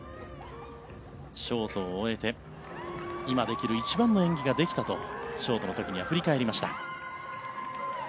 ショートを終えて今できる一番の演技ができたとショートの時には振り返りました。